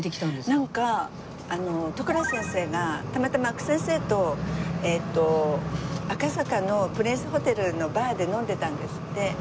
なんか都倉先生がたまたま阿久先生と赤坂のプリンスホテルのバーで飲んでたんですって。